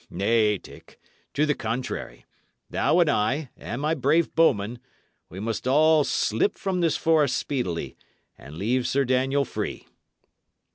Nay, Dick, to the contrary, thou and I and my brave bowmen, we must all slip from this forest speedily, and leave Sir Daniel free."